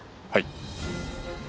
はい。